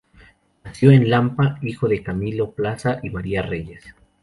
Nació en Lampa, hijo de Camilo Plaza y María Reyes.